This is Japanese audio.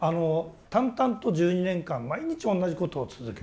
淡々と１２年間毎日同じことを続けていく。